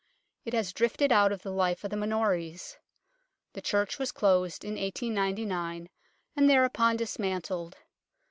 It has drifted out of the life of the Minories. The church was closed in 1899, and thereupon dismantled.